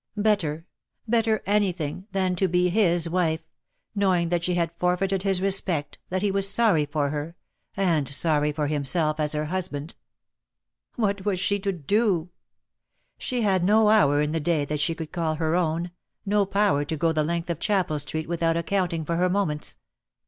Better — better anything — than to be 250 DEAD LOVE HAS CHAINS. his wife, knowing that she had forfeited his respect, that he was sorry for her, and sorry for himself as her liusband. What was she to do? She had no hour in the day that she could call her own, no power to go the length of Chapel Street without accounting for her moments.